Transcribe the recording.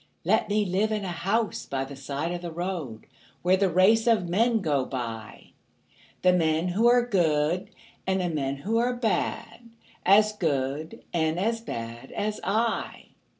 Let me live in a house by the side of the road Where the race of men go by The men who are good and the men who are bad, As good and as bad as I.